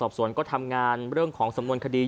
สอบสวนก็ทำงานเรื่องของสำนวนคดี